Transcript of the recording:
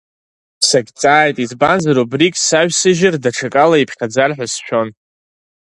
Сагьҵааит, избанзар убригь саҩсыжьыр даҽакала иԥхьаӡар ҳәа сшәон.